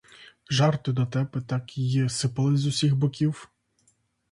Жарти, дотепи так і сипалися з усіх боків.